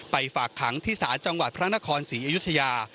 ฝากขังที่ศาลจังหวัดพระนครศรีอยุธยา